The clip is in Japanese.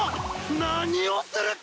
何をするか！